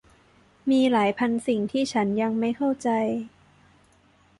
มีหลายพันสิ่งที่ฉันยังไม่เข้าใจ